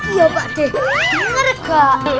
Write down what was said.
iya pak deh